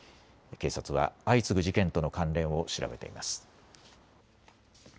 警察は相次ぐ事件との関連を調べています。